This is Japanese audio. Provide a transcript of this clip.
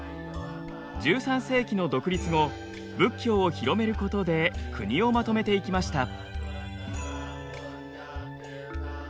１３世紀の独立後仏教を広めることで国をまとめていきました。